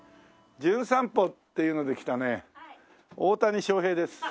『じゅん散歩』っていうので来たね大谷翔平です。